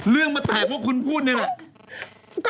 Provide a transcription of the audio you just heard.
เรื่องมันแทบว่าคุณพูดนี่แหละ